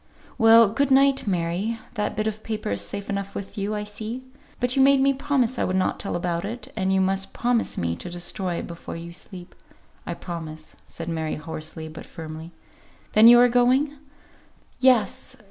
"Well, good night, Mary. That bit of paper is safe enough with you, I see. But you made me promise I would not tell about it, and you must promise me to destroy it before you sleep." "I promise," said Mary, hoarsely, but firmly. "Then you are going?" "Yes.